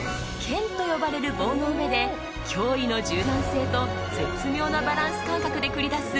ケンと呼ばれる棒の上で驚異の柔軟性と絶妙なバランス感覚で繰り出す